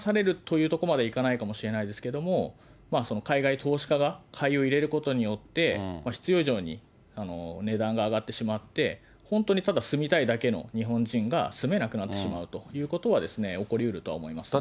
いうところまではいかないかもしれないですけど、海外投資家が買いを入れることによって、必要以上に値段が上がってしまって、本当にただ住みたいだけの日本人が住めなくなってしまうということは、起こりうるとは思いますね。